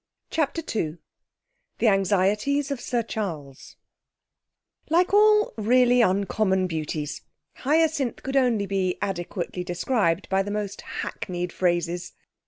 CHAPTER II The Anxieties of Sir Charles Like all really uncommon beauties, Hyacinth could only be adequately described by the most hackneyed phrases.